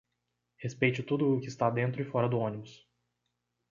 Respeite tudo o que está dentro e fora do ônibus.